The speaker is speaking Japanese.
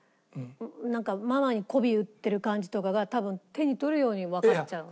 なんかママに媚び売ってる感じとかが多分手に取るようにわかっちゃうの。